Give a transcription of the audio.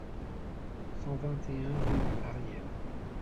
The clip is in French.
cent vingt et un rue du Hariel